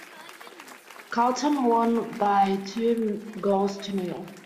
Carlton won by two goals to nil.